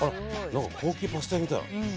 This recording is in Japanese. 何か高級パスタ屋みたい。